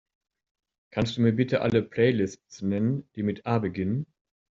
Kannst Du mir bitte alle Playlists nennen, die mit A beginnen?